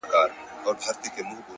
نظم د بریالیتوب خاموش راز دی!.